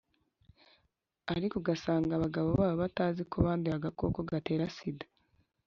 ariko ugasanga abagabo babo batazi ko banduye agakoko gatera sida.